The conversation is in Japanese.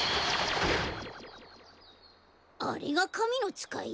あれがかみのつかい？